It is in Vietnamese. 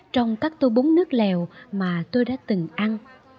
tôi sẽ ăn các tô bún nước lèo mà tôi đã từng ăn